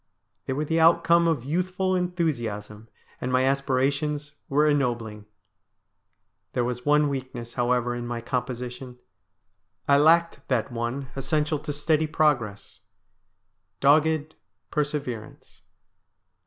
They were the outcome of youthful enthusiasm, and my aspirations were ennobling. There was one weakness, however, in my composition. I lacked that one essential to steady progress — dogged perseverance.